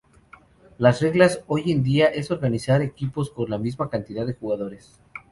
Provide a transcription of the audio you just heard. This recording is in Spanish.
Las reglas hoy en día es organizar equipos con la misma cantidad de jugadores.